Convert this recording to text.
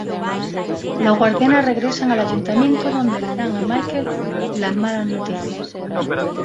Los guardianes regresan al ayuntamiento donde le dan a Michael las malas noticias.